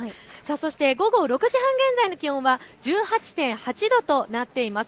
午後６時半現在の気温は１８．８度となっています。